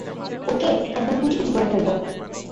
ওকে একদম কুচিকুচি করে ফেলবো।